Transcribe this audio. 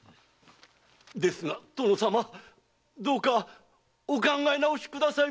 ですが殿様どうかお考え直しくださいませ！